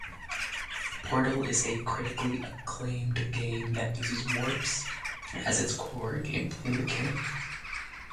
"Portal" is a critically acclaimed game that uses warps as its core gameplay mechanic.